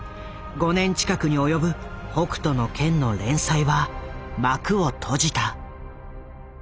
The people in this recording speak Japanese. ５年近くに及ぶ「北斗の拳」の連載は幕を閉じた。